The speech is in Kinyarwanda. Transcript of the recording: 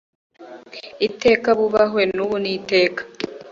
iteka ; bubahwe n'ubu n'iteka